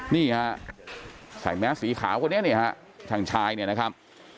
นี่ครับแสดงแม้สีขาวคนเนี่ยช่างชายเนี่ยนะครับ